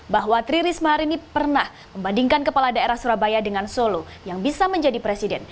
bahwa tri risma hari ini pernah membandingkan kepala daerah surabaya dengan solo yang bisa menjadi presiden